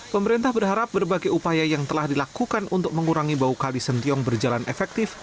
pemerintah berharap berbagai upaya yang telah dilakukan untuk mengurangi bau kali sentiong berjalan efektif